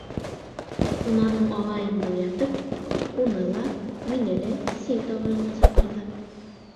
Унан һуң ағайымды уятып, уны ла, мине лә сәй табынына саҡырҙы.